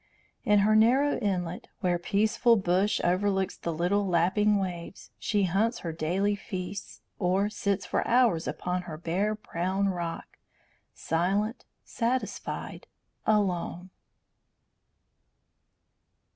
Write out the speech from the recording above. In her narrow inlet, where peaceful bush overlooks the little lapping waves, she hunts her daily feasts, or sits for hours upon her bare brown rock, silent, satisfied, alone.